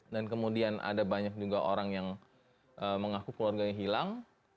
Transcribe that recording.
dan kemudian ada banyak juga orang yang mengaku keluarganya hilang